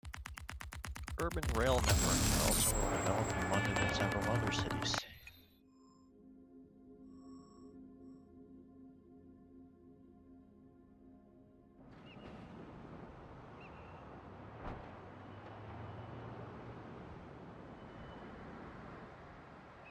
It is nearly insoluble in water, but very soluble in common organic solvents.